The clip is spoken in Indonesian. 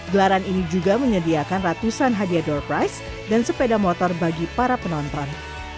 gelaran ini juga menyediakan ratusan hadiah door price dan sepeda motor bagi para penonton